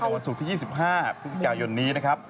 ในวันศูนย์ที่๒๕พิศกาลยนต์นี้นะครับ